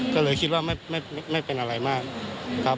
ก็เลยคิดว่าไม่เป็นอะไรมากครับ